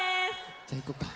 じゃあいこうか。